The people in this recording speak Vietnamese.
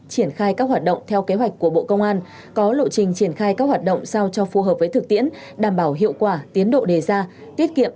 triển khai các hoạt động theo kế hoạch của bộ công an có lộ trình triển khai các hoạt động sao cho phù hợp với thực tiễn đảm bảo hiệu quả tiến độ đề ra tiết kiệm